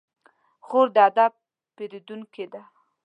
خور د ادب پېرودونکې ده.